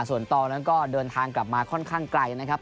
ส่วนตองนั้นก็เดินทางกลับมาค่อนข้างไกลนะครับ